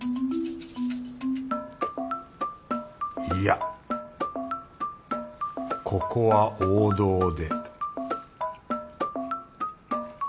いやここは王道で